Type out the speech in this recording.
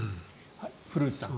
古内さん